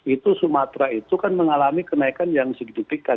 itu sumatera itu kan mengalami kenaikan yang signifikan